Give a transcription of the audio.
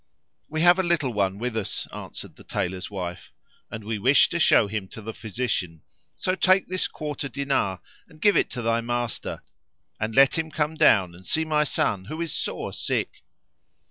"We have a little one with us," answered the Tailor's wife, "and we wish to show him to the physician: so take this quarter dinar and give it to thy master and let him come down and see my son who is sore sick."